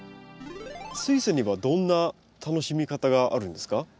スイセンにはどんな楽しみ方があるんですか？